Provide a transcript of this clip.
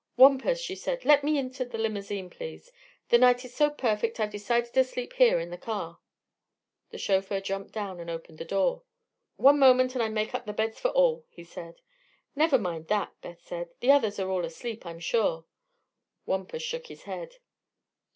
"Wampus," she said, "let me into the limousine, please. The night is so perfect I've decided to sleep here in the car." The chauffeur jumped down and opened the door. "One moment an' I make up the beds for all," he said. "Never mind that," Beth answered. "The others are all asleep, I'm sure." Wampus shook his head.